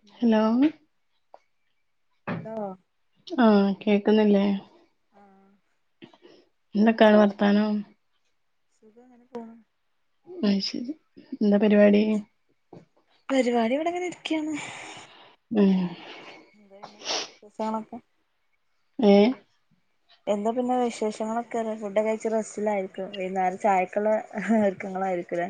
Hello hello ആഹ് കേക്കുന്നില്ലേ ആഹ് എന്തൊക്കാണ് വർത്താനം സുഖം ഇങ്ങനെ പോണ് അഹ് ശരി എന്താ പരിപാടി? പരിപാടി ഇവിടെ ഇങ്ങനെ ഇരിക്കണ് ഉം എന്ത പിന്നെ വിശേഷങ്ങളൊക്കെ ഏഹ് എന്താ പിന്നെ വിശേഷങ്ങളൊക്കെ അഹ് ഫുഡ കഴച്ച് റസ്റ്റിലായിരിക്കും വൈകുന്നേരം ചായക്കുള്ള ഒരുക്കങ്ങളായിയിരിക്കല്ലേ?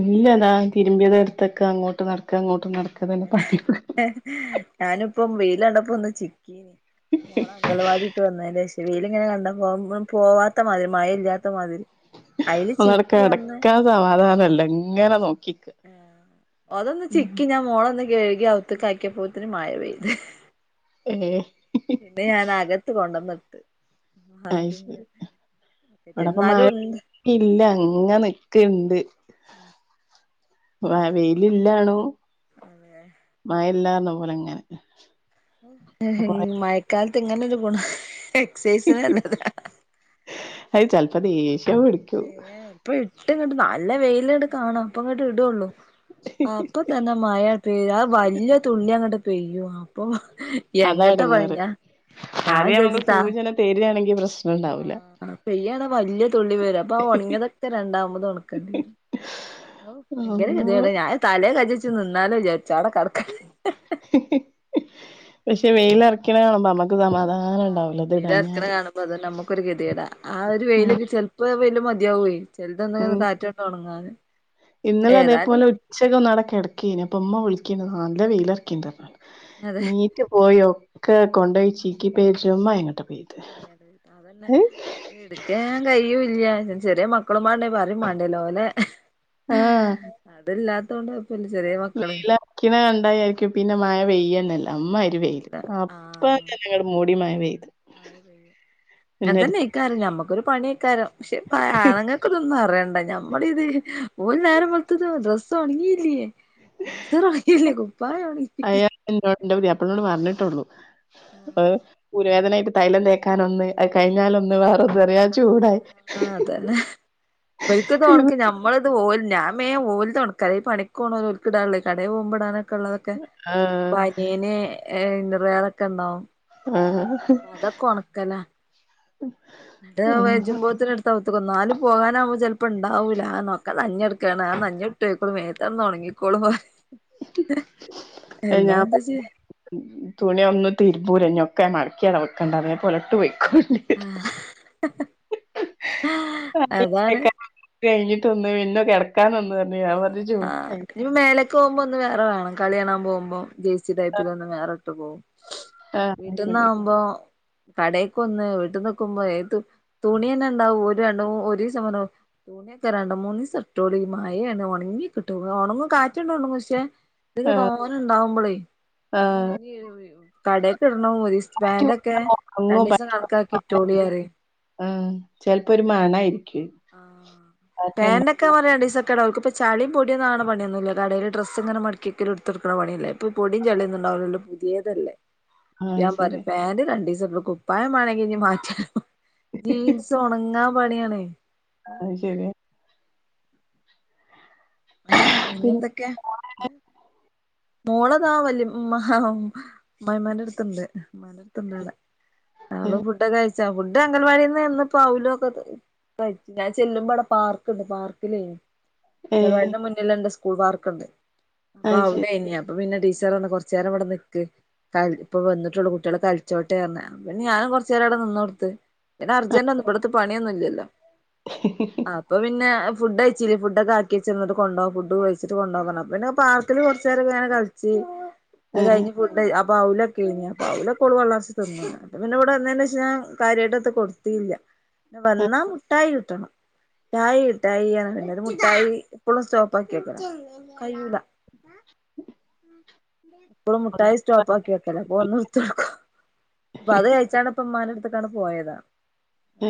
ഇല്ലാതാ തിരുമ്പിയ എടുത്ത് വേക്ക അങ്ങോട്ട് നടക്ക ഇങ്ങോട്ട് നടക്ക അതെ തന്നെ പണി ഞാനിപ്പം വെയിലണ്ടപ്പോ ഒന്ന് ച്ചി - ക്ക് മോളെങ്കളവാടി ട്ട് വന്നേന്റെഷം വെയിലിങ്ങനെ കണ്ടാ പോവാത്ത മാതിരി. മയ ഇല്ലാത്ത മാതിരി അയില് ഒന്നങ്ങ്‌ട് ചിക്കി ഒന്ന് കെടക്കാൻ സമാധാനല്ല ങ്ങനെ നോക്കി ആഹ് അതൊന്ന് ചിക്കി ഞാൻ മോളൊന്ന് കഴുകി അകത്ത്ക്കാക്കിയപ്പോത്തിനും മയ പെയ്ത് ഏഹ് പിന്നെ ഞാനകത്ത് കൊണ്ടന്നിട്ട് അയ് ശരി ആർക്കെങ്കിലും ഇവിടെപ്പ ന്നാലും മഴ ഉണ്ട് ഇല്ല ങ്ങ നിക്ക്ണ്ട്. ആഹ് വെയിലില്ലാണു. മയ ഇല്ല്യാർഞ്ഞ പോലെങ്ങനെ മഴക്കാലത്ത് ങ്ങനെ ഒരു ഗുണാ എക്സസൈസ്ന് നല്ലതാ. അയ് ചെല്പ ദേഷ്യം പിടിക്കൂ ഇപ്പ ഇട്ട് ഇങ്ങട് നല്ല വെയില് ഇങ്ങട് കാണാം. അപ്പ ഇങ്ങട് ഇടള്ളൂ അപ്പത്തന്നെ മയ പെയ് ആ വല്യ തുള്ളി അങ്ങട് പെയ്യും അപ്പോ അതാ എങ്ങട്ടാ എടങ്ങേറ് പഴഞ്ഞ ഞാൻ വിചാരിച്ചു താ പേര്വാണെങ്കിൽ പ്രസ് ആ പെയ്യാണ് വല്യ തുള്ളി വരാ അപ്പ ഒണങ്ങ്യതൊക്കെ രണ്ടാമത് ഒണക്കേണ്ടിരും. ഓഹ് ഭയങ്കര അള്ളോ ഗതികേടാ ഞാൻ തലേ കജ്ജച്ച് നിന്നാലോ വിചാരിച്ചു അവടെ കടക്കട്ടേ പക്ഷേ വെയിലറക്കണ കാണുമ്പോ നമ്മക്കു സാമാധാനാ ആഹ് വെയിടെറക്കണ കാണ് അതെ നമ്മക്കൊരു ഗതികേടാ. ആ ഒരു ഉം വെയില്. ചെൽപ്പോ ആ വെയ്ല് മതിയാവേയ് ചെൽതൊന്ന് ഉം കാറ്റോണ്ട് ഒണങ്ങാന് ഇന്നലെ ഏതായാലും അതേപോലെ ഉച്ചക്ക് ഒന്ന് ആടെ കെടക്കേനു. അപ്പോ ഉമ്മവിളിക്കേന്നു നല്ല വെയിലറിക്ക്ണ്ട് പറഞ്ഞിട്ട്. അതെ നീറ്റ് പോയി ഒക്കെ കൊണ്ടയി ചീക്കി പേച്ചു മയങ്ങട്ട് പെയ്ത് മയ പെയ്ത്. അതന്നെ ഇത് ഇട് ക്കാൻ കെയ്യൂല്ലാ. ചെറ്യേ മക്കളുമാരുണ്ടെങ്കില് പറയുമേണ്ടല്ലോല്ലേ ആഹ് അതല്ലാത്തോണ്ടാവും പിന്നേ ചെറ്യേ വ വെയിലെറിക്കണ കണ്ടാ വിചാരിക്കും പിന്നെ മയ പെയ്യന്നല്ലാ അമ്മായിരി വെയ്ല്. കയ്യൂല ആഹ് അപ്പന്നങ്ങനെ മൂടി മയപെയ്ത് പിന്നെട് ക്കാരം. നമ്മക്കൊര് പണിയ്ക്കാരം പക്ഷേ പ്പ ആണ്ങ്ങക്ക് ഇതൊന്നും അറയണ്ട നമ്മളി ഇത് ഓല് നേരം വേള്ത്തത് ഡ്രസ്സോണങ്ങില്ലേ? ട്രൗസറ് ആയില്ലേ? കുപ്പായ ഒണങ്ങില്ലേ? ഇത് ന്നോട് ന്റ പുത്യാപ്പ്ള ന്നോട് പർഞ്ഞ്ട്ടൊള്ളു. ഏഹ് ഊര വേദനായിട്ട് തൈലം തേക്കാനൊന്ന്. അത് കയിഞ്ഞാലൊന്ന്. വേറോന്ന് ആഹ് ആഹ് ആഹ് അതന്നെ ഇബൽക്ക്ത് ഒണക്ക് ഞമ്മള്ത് ഓല് ഞാൻമേ ഓൽ തോണക്കാരാ. ഈ പണിക്ക് പോണോര് ഓൽക്കിടാള്ളേ കടേ പോവുമ്പോ ഇടാനൊ ക്കെള്ളതൊക്കെ ആഹ് ബന്യേന് ഇന്നർവയർ ഒക്കെണ്ടാവും ആഹ് അപ്പ അതൊക്കെ ഒണക്കന്നേ ന്നട്ട് വേജുമ്പോത്തിന് [unintelligible] ന്നാലും പോകാനാവുമ്പോ ചേൽപ്പണ്ടാവൂലാ. ആ നോക്കാ നനഞ്ഞെട്ക്കാണ് ആ നൻഞ്ഞ ഇട്ടൊയ്ക്കോളും മേത്തട്ന്ന് ഒണങ്ങി ക്കോളും എയ് ഞാൻ പ്പോ ചെയ്യാ തുണി ഒന്നും തിര്മ്പൂല. ഇഞ്ഞൊക്കെ മടക്ക്യവടെ വെക്കണ്ട് അതേപോലെട്ട് പോയ്ക്കോളീം വയ്യ അതാണ് കേക്കാൻ കയ്ഞ്ഞ്ട്ടൊന്ന് പിന്നെ കെട്ക്കാനൊന്ന് പറ ആഹ് അങ്ങനെ. ആഹ് ഇനിപ്പോ മേലക്കോവുമ്പോ ഒന്ന് വേറ വേണം. കളി കാണാ പോവ്മ്പോ ജെയ്സ് സിച്ച്ടാപ്പിലൊന്ന് വേറെ ഇട്ട് പോവും. ആഹ് അത് ശരി വീട്ട്ന്നാവുമ്പോ കടക്കൊന്ന് വീട്ട് നിക്ക്മ്പോ ഏതും തുണിന്നെണ്ടാവും ഒര് രണ്ട് മൂ [unintelligible] തുണിക്കെ രണ്ട് മൂന്നീസംട്ടോളീം മാ [unintelligible] ഒണങ്ങി കിട്ടും ഒണങ്ങും കാറ്റോണ്ടൊണങ്ങും ക്ഷേ ത് ല് ആഹ് തോനെണ്ടാവ്മ്പളേ ആഹ് കടെക്ക്ടണം ഒരീ പാന്റൊക്കെ ഒറങ്ങും രണ്ടിസം കണക്കാക്കി ഇട്ടോളിയറിയും ആ ചെൽപ്പൊരു മണേര്ക്കും ആ പെന്റെ ക്കെ രണ്ടീസൊക്കെടാ ഓൽക്ക്പ്പൊ ചളീം പൊടിന്നാവ്ണാ പണിയൊന്നുല്ല കടെല് ഡ്രസ്ങ്ങനെ മടക്കിക്കലും ഇട് ഇട്ത്തൊട്ക്ക്ണാ പണ്യല്ലേ? ഇപ്പ പൊടിം ചളിയൊന്ന്ണ്ടാവുല്ലല്ലോ പുതിയതല്ലേ ആഹ് അത് ഞാൻ ശരി പറയും പാന്റ് രണ്ടിസം ടണം കുപ്പായമ്മാണെങ്കി ഇഞ്ഞ് മാറ്റാ ജീൻസൊണങ്ങാൻ പണിയാണേ അത് ശെരിയാ പിന്നെ പിന്നെന്തൊക്കെ മോള്താ വല്ലി മ്മാ അമ്മായ്മ്മാന്റെ ട്ത്ത്ണ്ട് മ്മാ ന്റട്ത്ത്ണ്ട് വടെ ഞങ്ങള് ഫുഡൊക്കെ കയ് [unintelligible] അംഗലവാടിന്ന്പ്പോ ഔലൊക്കെ കയ്ച്ച് ഞാൻ ചെല്ലുമ്പോ അവടെ പാർക്ക്ണ്ട് പാർക്കിലേനു ഏഹ് ങ്ങലവാടിന്റെ മുന്നില്ണ്ട് സ്കൂൾ പാർക്ക്ണ്ട് അപ്പൊ അത് ശരി അവ്ടെനീ ഞാൻ അപ്പ പിന്നെ ടീച്ചറർഞ്ഞ് കൊർചേരം ഇവടെ നിക്ക് ക ഇപ്പൊ വന്ന്ട്ടൊള്ളു കുട്ട്യാള് കളിച്ചോട്ടേർഞ്ഞ് അപ്പൊ ഞാനും കൊർച്ചേരം അവടെ നിന്നോട്ത്ത് പിന്നെ അർജന്റൊന്ന് ഇബ്ട്ത്തെ പണി ഒന്നുല്ലല്ലോ ആഹ് അപ്പൊ പിന്നെ ഫുഡയ്ച്ചില്ലേ ഫുഡോക്കാ കിച്ച് ന്ന് ട്ട് കൊണ്ടാവാ ഫുഡ് വേട്ച്ച്ട്ട് കൊണ്ടവാർഞ്ഞ് പ്പോ പിന്നെ പാർക്കിൽ കൊർച്ചേരംങ്ങന കൾച്ച് അത് ഏഹ് കയ്ഞ് ഫുഡ് അപ്പൊ ഔലൊക്കേനി അപ്പൊ ഔലൊക്കോള് പള്ളർച്ച് തിന്ന് അപ്പൊ പിന്നെ ഇവ്ടെ വന്നേന്റെഷം കാര്യായ്ട്ടൊത്തും കൊട്ത്തില്ല പിന്നേ വന്നാ മുട്ടായി കിട്ടണം ട്ടായിട്ടായി മുട്ടായി പ്പളും സ്റ്റോപ്പാക്കി വെക്കലാ കയ്യൂല എപ്പളും മുട്ടായി സ്റ്റോപ്പാക്കി വെക്കലാ പോ ഒന്ന്ട്ത്തൊട്ക്കും പ്പൊ അത് കയ്ച്ചാണ്ട് ഇപ്പ മ്മാന്റെട്ത്ത്ക്കണ്ട് പോയതാ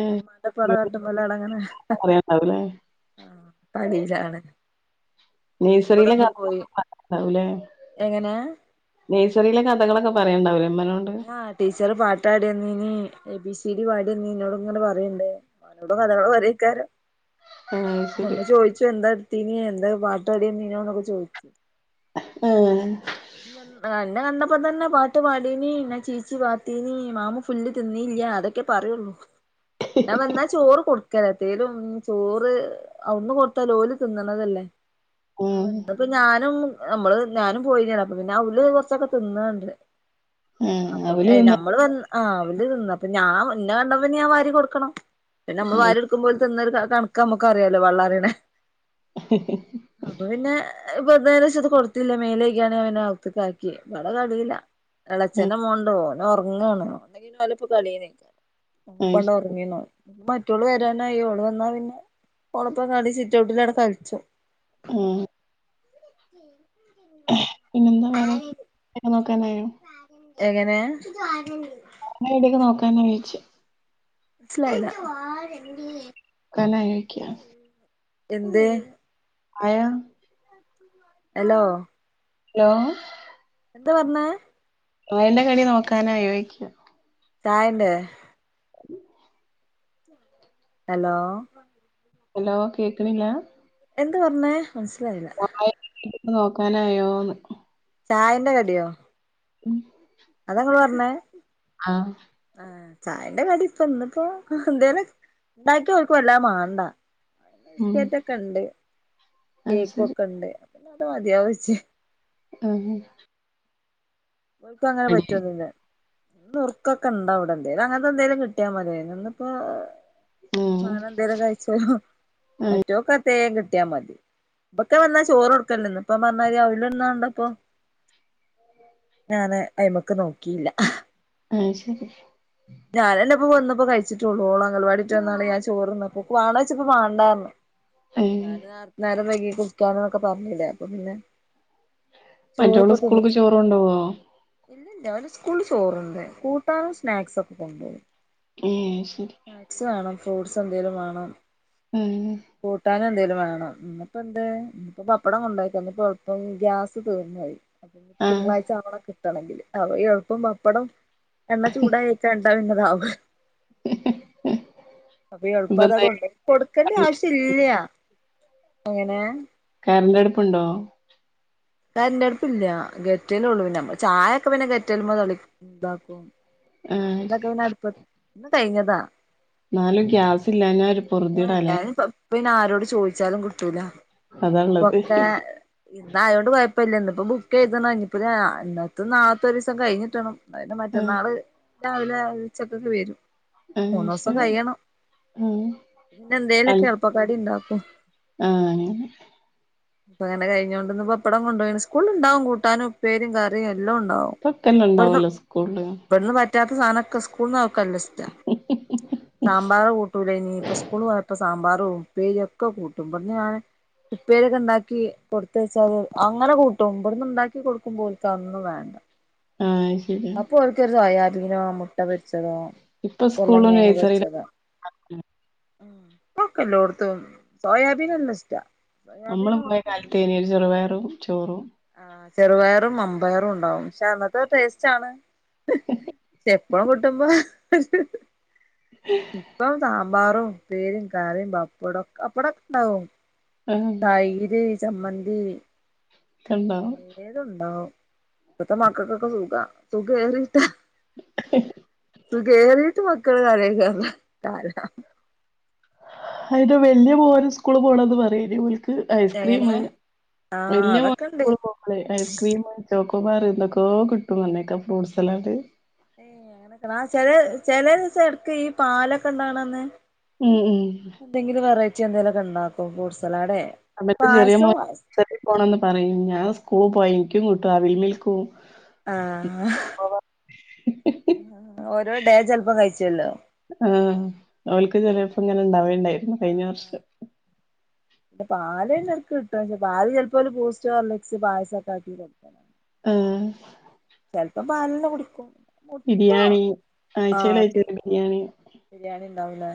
ഏഹ് കട്ടുമല്ലടങ്ങനെ പറയാണ്ടാവൂലേ ആ കളീലാണ് നേഴ്സറിലെ [inaudible] ണ്ടാവൂലെ എങ്ങനെ നേഴ്സറിലെ കഥകളൊക്കെ പറയണ്ടാവൂലെ മ്മനോണ്ട് ആ ടീച്ചർ പാട്ടാടിയെന്നീനി എ ബി സി ഡി പാടിയന്നീനി ന്നോട് ഇങ്ങനെ പറിണ്ട് ഓനോട്‌ കഥകള് പറയേക്കാരം ആഹ് ശരി മ്മമ്മ ചോയ്ച്ചു എന്താ ട്ത്തീനീ എന്താ പാട്ട് പാടിയെന്നിനോക്കെ ചോയ്ച്ചു ആ ഇന്നെ കണ്ടപ്പോ തന്നെ പാട്ട് പാടീനി ഞാൻ ചീച്ചി പാത്തിനി മാമു ഫുല്ല് തിന്നീല്ല അതൊക്കെ പറയുള്ളൂ ഞാൻ വെന്നാ ചോറ് കൊട് കെരത്തേലും ചോറ് അവ്ട്ന്ന് കൊടുത്തല്ലെ ഓല് തിന്ന്ണതല്ലേ അ ആഹ് പ്പൊ ഞാനും ഞമ്മള് ഞാനും പോയിനൊല്ലോ അപ്പൊ പിന്നെ അവല് കൊർച്ചൊക്കെ തിന്നണ്ട് ആഹ് അപ്പൊ അവല് തിന്ന നമ്മള് വന്ന് ആ അവല് തിന്ന് അപ്പൊ ഞാൻ ന്നെ കണ്ടപ്പ ഞ്ഞി ഞാൻ വാരി കൊടുക്കണം പിന്നെ നമ്മള് ആഹ് വാരിട്ക്ക്മ്പോ ഓല് തിന്നൊരു കണക്കമ്മക്കറിയാലോ പള്ളറിണെ അപ്പൊ പിന്നെ വന്നേനെശത് കൊടുത്തില്ല മേലേക്യാണ്ട് ഞാൻ പിന്നെ ഔത്ത്ക്കാക്കി വടെ കളില ച്ഛനും മോനുണ്ട് ഓനോറങ്ങാണ് ഓന്ണ്ടെങ്കി ഓലൊപ്പം കളിലേക്കാരം ആഹ് പ്പണ്ട് ഒർ ങ്ങിന്നു മറ്റൊള് വരാനായി ഓള് വന്നാ പിന്നെ ഓളെപ്പ കളി സിറ്റ്ഔട്ടിലടെ കൾച്ചും ഉം പിന്നെന്താ വേറെ ആ [unintelligible] നോക്കാനായോ എങ്ങനെ [unintelligible] നോക്കാനായോയ്ച്ച മൻസിലായില മുക്കാലായോയ്ക്കാ എന്ത് ആയോ ഹലോ ഹലോ എന്താ പറഞ്ഞേ വേന്റെ കളി നോക്കാനായോയ്ക്കാ ചായന്റെ ഉ ഹലോ ഹലോ കേക്കണില്ല എന്ത് പറഞ്ഞേ മനസ്സിലായില്ല [unintelligible] നോക്കാനായോന്ന് ചായന്റെ കടിയോ ഉം അതാ ഇങ്ങള് പർഞ്ഞേ ആഹ് ആ ചായന്റെ കടി ഇപ്പ ഇന്നിപ്പോ എന്തേലൊ ഉണ്ടാക്കേത് ഓൽക് വല്ലാണ്ട് മാണ്ട ഉം ബിസ്കറ്റൊക്കെ ഇണ്ട് അത് ശരി കേക്കൊക്കെ ഇണ്ട് പിന്നെ അത് മതിയാവുച്ച് അതെ ഓൽക്ക് അങ്ങനെ പറ്റൊന്നില്ല നുർക്കൊക്കെണ്ടാ വടെ എന്തേലും അങ്ങനത്തെ എന്തേലും കിട്ടിയാൽ മതി അയിന്നിപ്പോ ഉം വേറെ എന്തേലും കഴിച്ചോളും ആഹ് മറ്റോക്കെത്തേലും കിട്ട് ട്ടിയാ മതി ഇബക്ക് വന്നാ ചോറ് കൊടുക്കല്ണ്ട് ന്ന് ഇപ്പൊ പറഞ്ഞരീ അവല്ന്നാണ്ടപ്പോ ഞാന് അയ്മക്ക് നോക്കില്ല അയ് ശരി ഞാൻ ഇപ്പോ വന്ന് പ്പോ കഴിച്ചിട്ടുള്ളൂ അങ്കൽവാടിട്ട് വന്നാണ് ഞാൻ ചോറ്ന്നപ്പോ വാണഴ്ച്ചപ്പോ വാണ്ടാർഞ്ഞു ഏഹ് ഞാന് നോരത്തി നേരം വൈകി കുടിക്കാൻന്നൊക്കെ പറഞ്ഞടേ അപ്പൊ പിന്നെ ചോറ് മറ്റോള് ഇപ്പം തിന്ന സ്കൂൾക്ക് ചോറ് കൊണ്ടോവോ ഇല്ലല്ല ഓന് സ്കൂള് ചോർ ഇണ്ട് കൂട്ടാനും സ്നാക്സ് ഒക്കെ കൊണ്ടോകും ഏപ് അയ്ശരി സ്നേക്സ് വാണം ഫ്രൂട്ട്സ് എന്തെലും വാണം ഉം കൂട്ടാനു എന്തേലും വേണം ഇന്ന് ഇപ്പം എന്തേ പപ്പടം കൊണ്ടക്കാ ഇന്ന് പൊ പ്പ ഗ്യാസ് തീർന്നോയി അപ്പഞ്ഞിപ്പോ ആഹ് തിങ്കളാഴ്ച ആവണം കിട്ടണങ്കില് അ ഈ എളുപ്പം പപ്പടം എണ്ണ ചൂടായിയച്ചാ ന്താലും അങ്ങാനാവും അപ്പീ എളുപ്പം ഇപ്പൊ അതാ എന്താ കൊണ്ടാ കൊടുക്കേണ്ട ആവശ്യം ഇല്ല എങ്ങനെ കരണ്ടടുപ്പ്ണ്ടോ കരന്റെടുപ്പില്ല ഗെറ്റൽ ഒള്ളു പിന്നെ ചായയൊക്കെ പിന്നെ ഗെറ്റൽ തള ഇണ്ടാക്കും കറി ആഹ് ഇതൊക്കെ പിന്നെ അടുപ്പ ഇന്ന് കഴിഞ്ഞതാ ഇന്നാലും ഗ്യാസ് ഇല്ലാന്ന ഒരു പൊർതിയെട ല്ലേ ഇപ്പന്ന ആരോട് ചോദിച്ചാലും കിട്ടൂല അതാള്ളത് ഇപ്പൊക്കെ യുദ്ധ ആയൊണ്ട് പ്പ കുഴപ്പില്ല ഇന്ന്ഇപ്പോ ബുക്ക് ചെയ്ത്ണ് ഇന്നത്തെ നാളത്ത ദിസം കഴിഞ്ഞിട്ടണം ഇന്നെ ആഹ് മറ്റന്നാള് രാവിലെ ഉച്ചക്കൊക്കെ വരും ആഹ് മൂന്നുസം ശരി കഴിയണം ആഹ് പിന്നെ എന്തേലൊക്കെ അൽ എളപ്പക്കടി ഇണ്ടാക്കും ആഹ് അങ്ങനെ ഇപ്പ അങ്ങനെ കഴിഞ്ഞോണ്ട് ഇന്ന് പപ്പടം കൊണ്ടോയിന് സ്കൂൾ ഉണ്ടാവും കൂട്ടാനും ഉപ്പേരും കറിയും എല്ലാ ഉണ്ടാവും ഫുഡ്ക്കെ ഉണ്ടാവല്ലോ സ്കൂളില് ഇവിടന്ന് പറ്റാത്ത സാധനൊക്കെ സ്കൂൾന്ന് ഓക്കല്ലേ ഇശ്റ്റാ സാമ്പാർ കൂട്ടൂലനി ഇപ്പ സ്കൂള് പോയപ്പോ സാമ്പാറും ഉപ്പേരിഒക്കെ കൂട്ടും പടന്നാണേ ഉപ്പേരൊക്കെ ഇണ്ടാക്കി കൊട്ത്തേചാ ല് അങ്ങനെ കൂട്ടും ഇവിടുന്ന് ഇണ്ടാക്കി കൊടുക്കുമ്പോ ഓൽക്കതൊന്നും വാണ്ട ആ ശരി ഒരു സോയാബീനോ മുട്ട പൊരിച്ചതോ ഇപ്പൊ അല്ലെ സ്കൂളും കേങ് നഴ്സറിയിലും പൊരിച്ചതോ ഉം ഒക്കെന്താ കൊട്ത്ത് സോയാബീനല്ലാ ഇഷ്ടാ നമ്മള് സോയാബീൻ പോയ ഓക്ക് കാലത്തേനീ ഒരു ചെറുപയറും ചോറും ആഹ് ചെറുപയറും മമ്പയറും ഉണ്ടാവും പക്ഷെ അന്നത്തെ ടേസ്റ്റാണ് ഷെ എപ്പളും കിട്ടുമ്പോ ഹേ ഇപ്പം സാമ്പാറും ഉപ്പേരിം കറിയും പപ്പടൊ പപ്പടൊക്കെ ണ്ടാവും ആഹ് തൈര് ചമ്മന്തി ഒക്കെ ഉണ്ടാവും പലേതുണ്ടാവും ഇപ്പത്തെ മക്കൾക്കൊക്കെ സുഖ സുഖ ഏറിയിട്ട സുഖ ഏറിട്ട് മക്കള് [unintelligible] ന്റെ വല്യ മോന് സ്കൂളി പോണെ എന്തിനറിയോ മിൽ ഐസ്ക്രീം എങ്ങനെ ആഹ് വല്യ മോന് അതൊക്കെ ഉണ്ട് സ്കൂളി പോണ് ഐസ്ക്രീം ചക്കമാറി എന്തൊക്കെയോ കിട്ടും എന്നത്തീറ്റ ഫ്രൂട്ട്സലാഡ് ഏയ് അങ്ങനെക്കണ ചില ചില ദിവസം എടുക്ക് ഈ പാലൊക്കെ ഉണ്ടാണന്ന് ഉം ഉം എന്തെങ്കിലും വെറൈറ്റി എന്തെലിലൊക്കെ ഉണ്ടാക്കോ ഫ്യുട്സ്ട്സലാടെ റ്റ ചെറിയെറ പോണന്ന് പറയും ഞാൻ സ്കൂൾ പോയ എനിക്കും കിട്ടും അൽമൽക്കൂ ആഹ ഓരോ ഡേ ചിലപ്പോം കഴിച്ചല്ലോ ആഹ അവൾക്ക് ചിലപ്പം ഇങ്ങനെ ഉണ്ടാവേണ്ടായിരുന്നു കഴിഞ്ഞ വർഷം ഇ പാല ഇടക്ക് കിട്ടും പക്ഷെ പാല് ചിലപ്പോ ബുസ്റ്റോ മികസ്പായസം ആക്കി കൊടുക്കും ആഹ ചിലപ്പോ പാൽ തന്നെകുടിക്കും ബിരിയാണി ആഴ്ചക്കഴച്ച ബിരിയാണി ബിരിയാണി ഉണ്ടാവൂലേ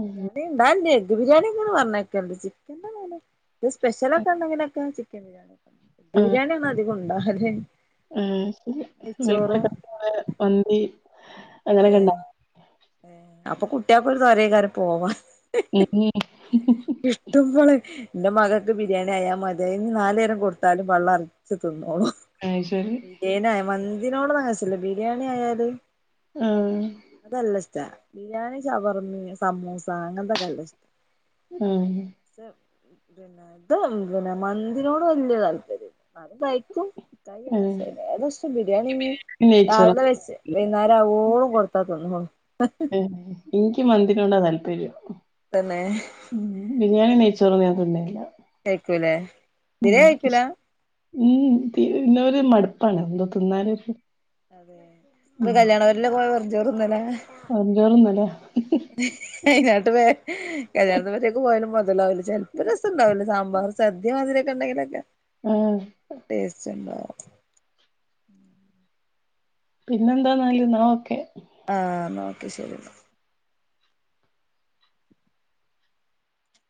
ഉം. ബിരിയാണി ഉണ്ടാവണ്ട് എഗ് ബിരിയാണി എങ്ങ പറഞ്ഞേക്കണ്ട് ചിക്കൻ ത് സ്പെഷ്യലൊക്കെ ഉണ്ടെങ്കിലൊക്കെ ചിക്കൻ ബിരിയാണി ബി ആ, ബിരിയാണിയാണ് അധികം ഉണ്ടാകതെ ആ ശക്ക വന് അതെ ഏ അപ്പൊ കുട്ടിയ പോലത് [unintelligible] കാര് പോവാ നീ ഉം ഇഷ്ട പോളെ എന്റെ മകൾക്ക് ബിരിയാണി ആയാൽ മതിയ ഇനി നാലേരം കൊടുത്താലും വെള്ളം ഇറക്കി തിന്നോളൂ ആ ശരി ബിരിയാണി ആയ മന്തിനോട് മനസ്സില്ലബിരിയാണി ആയാല് ആഹ അതെല്ലാം ഇഷ്ട ബിരിയാണി ചവർമ്മി സമോസ അങ്ങനത്തെൊക്കെ എല്ലാം ഇഷ്ട ഉം [unintelligible] ആ. കല്ല ശ ഏകദേശം ബിരിയാണി ഇീ രാവിലെ നെയ്ച്ചോറ് വെച്ച് മോള് കൊടുത്ത തിന്നും എനിക്ക് മന്തിനോട താല്പര്യം തന്നെ ബിരിയാണി നെയ്ച്ചോറും ഞാൻ തിന്നലില്ല കയക്കൂലെ ബിരിയാണി കയക്കൂല ഉം പിന്നരു മടുപ്പാണ് എന്തോ തിന്നാനരു. ന്ന് കല്യാണ പൊരേലെക്കെ പോയി വെറും ചോറൊന്നല്ലെ. വെറും ചോറ് തിന്ന് ലേ അയിതിനാട്ട് വേ കല്യാണത്തിന് ഉച്ചക്ക് പോയാലും മുതലാവൂല ചെല്പ്പം രസംണ്ടാവും ലേ സാമ്പാർ സദ്യ മാതിരി യൊക്കെ ഉണ്ടെങ്കിലൊക്കെ. ഉം. ടേസ്റ്റ് ണ്ടോ പിന്നെന്താന്നാല് എന്നാ ഒക്കെ. ആ എന്നാൽ ഓക്കെ ശരി എന്നാൽ.